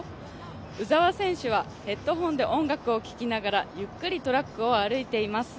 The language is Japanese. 鵜澤選手はヘッドフォンで音楽を聴きながらゆっくりとトラックを歩いています。